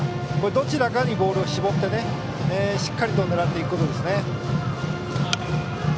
どちらかにボールを絞ってしっかりと狙っていくことですね。